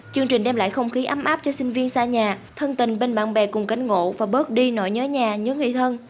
chương trình đem lại không khí ấm áp cho sinh viên xa nhà thân tình bên bạn bè cùng cánh ngộ và bớt đi nỗi nhớ nhà nhớ người thân